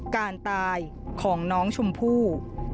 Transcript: การตายของน้องชมพู่